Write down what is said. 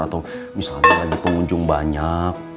atau wisata lagi pengunjung banyak